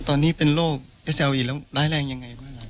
ตอนนี้เป็นโรคเอสซาวีแล้วร้ายแรงยังไงบ้างครับ